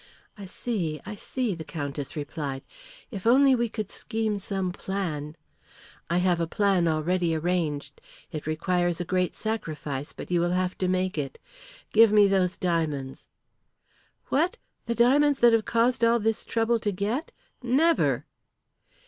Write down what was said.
"I see, I see," the Countess replied. "If we could only scheme some plan " "I have a plan already arranged. It requires a great sacrifice, but you will have to make it. Give me those diamonds." "What, the diamonds that have caused all this trouble to get. Never!"